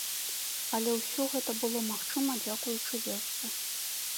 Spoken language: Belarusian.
Але ўсё гэта было магчыма дзякуючы вёсцы.